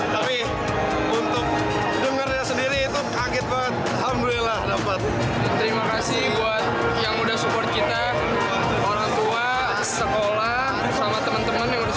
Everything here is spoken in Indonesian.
tapi untuk mendengarnya sendiri itu sangat mengagumkan alhamdulillah dapat